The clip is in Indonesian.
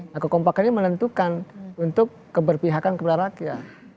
nah kekompakannya menentukan untuk keberpihakan keberanaknya